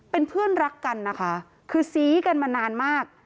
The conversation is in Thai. เป็นเพื่อนรักกันนะคะคือซี้กันมานานมาก